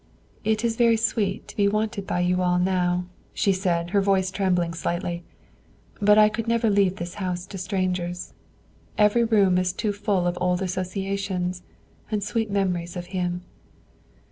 "It is very sweet to be wanted by you all now," she said, her voice trembling slightly; "but I never could leave this house to strangers, every room is too full of old associations, and sweet memories of him.